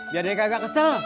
biar dia ga kesel